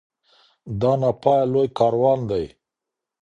دا نا پایه لوی کاروان دی